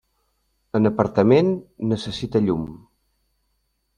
En apartament, necessita llum.